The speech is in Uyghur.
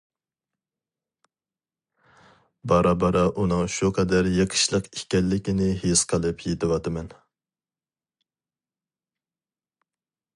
بارا-بارا ئۇنىڭ شۇ قەدەر يېقىشلىق ئىكەنلىكىنى ھېس قىلىپ يېتىۋاتىمەن.